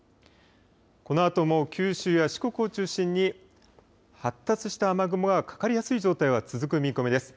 このあとも九州や四国を中心に発達した雨雲がかかりやすい状態は続く見込みです。